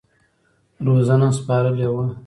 روزنه سپارلې وه.